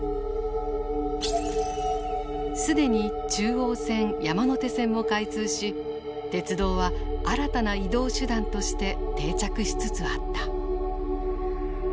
既に中央線山手線も開通し鉄道は新たな移動手段として定着しつつあった。